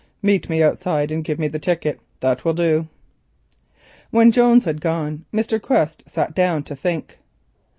Meet me outside and give me the ticket. That will do." When Jones had gone Mr. Quest sat down to think.